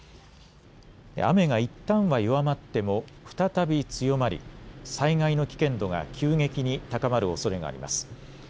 雨がいったんは弱まっても再び強まり災害の危険度が急激に高まるおそれがあります。